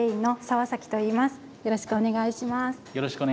よろしくお願いします。